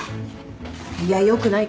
いや良くないか。